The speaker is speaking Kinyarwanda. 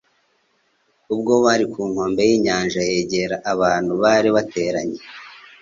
Ubwo bari ku nkombe y'inyanja yegera abantu bari bateranye.